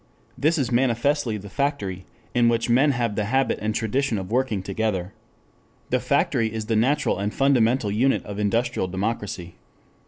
This is manifestly the factory, in which men have the habit and tradition of working together. The factory is the natural and fundamental unit of industrial democracy.